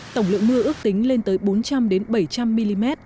tổng lượng mưa ước tính lên tới bốn trăm linh bảy trăm linh mm